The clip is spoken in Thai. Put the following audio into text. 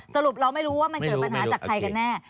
สรุปเราไม่รู้ว่ามันเกิดปัญหาจากใครกันแน่